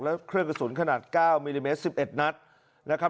และเครื่องกระสุนขนาด๙มิลลิเมตร๑๑นัดนะครับ